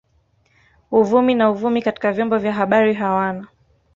Uvumi na uvumi katika vyombo vya habari hawana